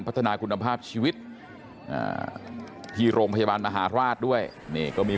พัฒนาคุณภาพชีวิตที่โรงพยาบาลมหาราชด้วยนี่ก็มี